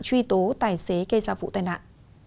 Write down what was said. truy tố tài xế gây ra vụ tai nạn